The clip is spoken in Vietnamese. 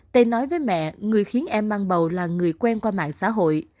tây nói với mẹ người khiến em mang bầu là người quen qua mạng xã hội